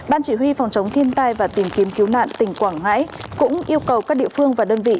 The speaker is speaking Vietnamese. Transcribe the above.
ban chỉ huy phòng chống thiên tai và tìm kiếm cứu nạn tỉnh quảng ngãi cũng yêu cầu các địa phương và đơn vị